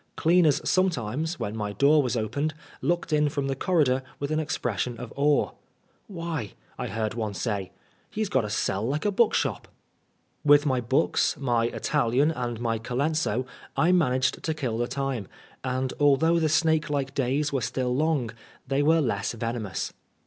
Cleaners sometimes, when my door was opened, looked in from the corridor with an expression of awe. "Why," I heard one say, "he's got a cell like a bookshop." With my books, my Italian, and my Colenso, I managed to kill the time ; and although the snake like days were still long, they were less veno mous.